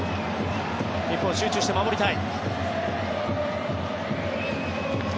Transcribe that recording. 日本は集中して守りたい。